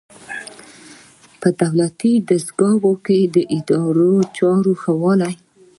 په دولتي دستګاه کې د اداري چارو ښه والی.